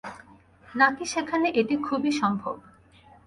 নাকি সেখানে এটি খুবই সম্ভব?